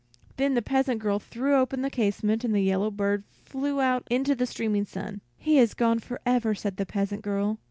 Then the peasant girl threw open the casement, and the yellow bird flew out into the streaming sun. "He is gone forever," said the peasant girl.